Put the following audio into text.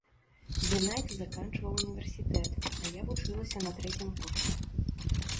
Генадзь заканчваў універсітэт, а я вучылася на трэцім курсе.